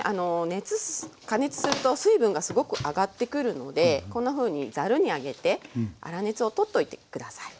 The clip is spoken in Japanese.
熱加熱すると水分がすごく上がってくるのでこんなふうにざるに上げて粗熱を取っといて下さい。